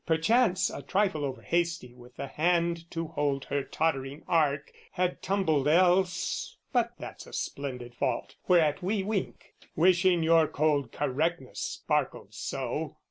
perchance "A trifle over hasty with the hand "To hold her tottering ark, had tumbled else; "But that's a splendid fault whereat we wink, "Wishing your cold correctness sparkled so!"